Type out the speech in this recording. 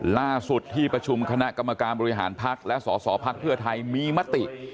ล่าสุดที่ประชุมคณะกรรมการบริหารพักและสสพักเพื่อไทยมีมติ